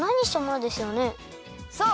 そう！